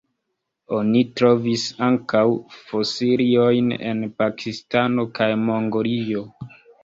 Oni trovis ankaŭ fosiliojn en Pakistano kaj Mongolio.